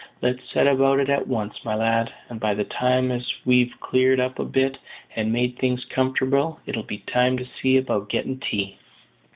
Let's set about it at once, my lad; and by the time as we've cleared up a bit, and made things comfortable, it'll be time to see about gettin' tea."